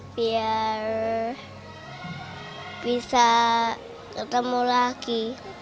biar bisa ketemu lagi